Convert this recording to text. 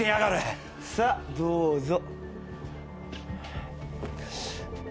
さあどうぞ。